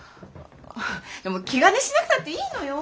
でも気兼ねしなくたっていいのよ。